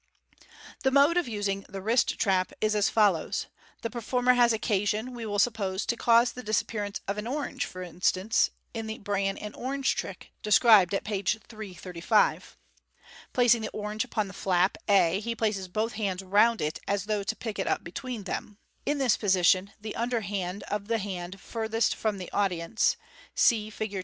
The mode of using the wrist trap is as follows :— The performer has occasion, we will suppose, to cause the disappearance of an orange, as for instance, in the "Bran and Orange" trick, described at page 335. Placing the orange upon the flap a, he places both hands round it as though to pick In this position the under the Fig. 266. it up between them. (See Fig. 265.) side of the hand furthest from the audience (see Fig.